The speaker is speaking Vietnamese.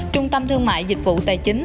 trung tâm thương mại dịch vụ tài chính